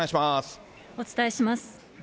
お伝えします。